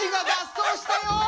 そうしたよ。